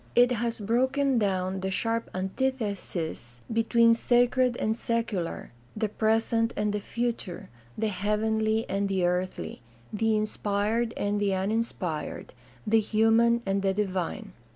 It has broken down the sharp antithesis between sacred and secular, the present and the future, the heavenly and the earthly, the inspired and the uninspired, the human and the divine.